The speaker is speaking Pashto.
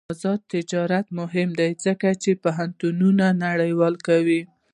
آزاد تجارت مهم دی ځکه چې پوهنتونونه نړیوال کوي.